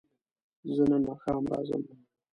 زه نن ماښام راځم